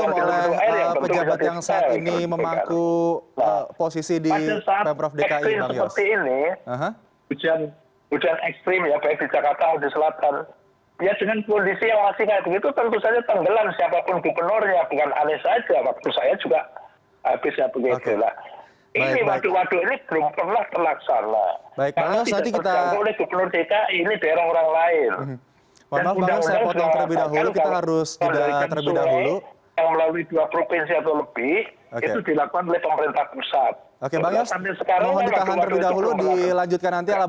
masyarakat harus bertanggung jawab juga terhadap banjir